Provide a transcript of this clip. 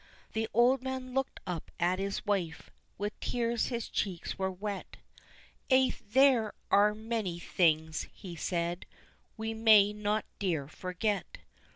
The old man looked up at his wife, with tears his cheeks were wet, "Ay, there are many things," he said, "we may not, dear, forget.